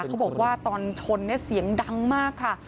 เขาบอกว่าตอนชนเนี่ยเสียงดังมากค่ะ